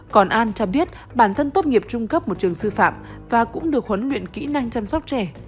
còn an cho biết bản thân tốt nghiệp trung cấp một trường sư phạm và cũng được huấn luyện kỹ năng chăm sóc trẻ